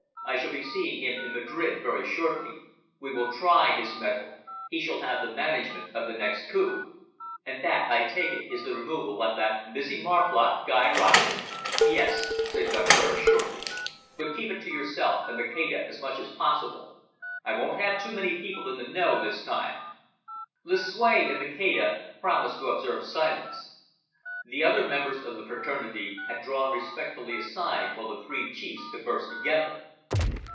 I shall be seeing him in Madrid very shortly. We will try his mettle. He shall have the management of the next coup." "And that, I take it, is the removal of that busy marplot, Guy Rossett?" "Yes," said Contraras shortly. "But keep it to yourself and Maceda as much as possible. I won't have too many people in the know this time." Lucue and Maceda promised to observe silence. The other members of the fraternity had drawn respectfully aside while the three chiefs conversed together.